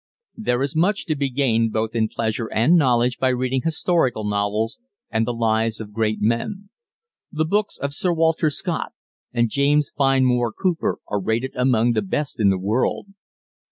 There is much to be gained both in pleasure and knowledge by reading historical novels, and the lives of great men. The books of Sir Walter Scott and James Fenimore Cooper are rated among the best in the world.